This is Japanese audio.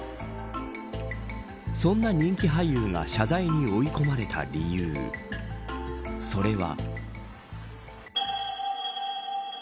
そんな人気俳優が謝罪に追い込まれた理由それは。